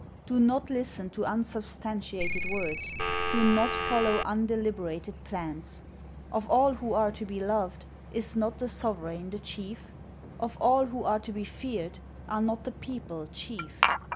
Do not listen to unsubstantiated words; do not follow undeliberated plans. Of all who are to be loved, is not the sovereign the chief? Of all who are to be feared, are not the people chief